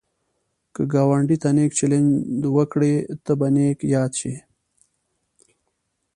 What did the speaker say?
که ګاونډي ته نېک چلند وکړې، ته به نېک یاد شي